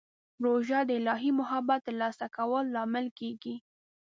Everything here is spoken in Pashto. روژه د الهي محبت ترلاسه کولو لامل کېږي.